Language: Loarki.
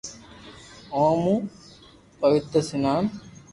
اومون پوتير سنان -